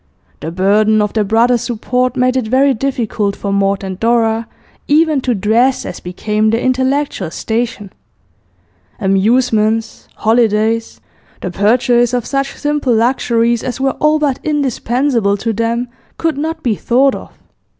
The burden of their brother's support made it very difficult for Maud and Dora even to dress as became their intellectual station; amusements, holidays, the purchase of such simple luxuries as were all but indispensable to them, could not be thought of.